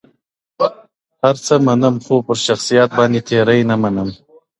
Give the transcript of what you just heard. هر څه منم پر شخصيت باندي تېرى نه منم.